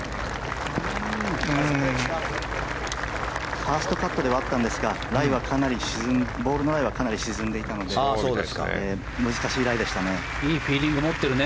ファーストカットではあったんですがライはかなりボールの前はかなり沈んでいたので難しいライでしたね。